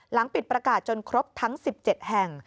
หลังปิดประกาศจนครบทั้ง๑๗แห่ง